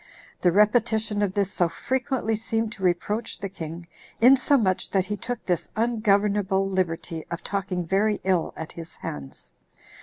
The repetition of this so frequently seemed to reproach the king, insomuch that he took this ungovernable liberty of talking very ill at his hands.